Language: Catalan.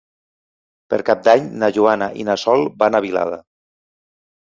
Per Cap d'Any na Joana i na Sol van a Vilada.